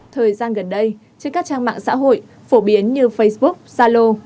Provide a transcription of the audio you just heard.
thời gian gần đây trên các trang mạng xã hội phổ biến như facebook zalo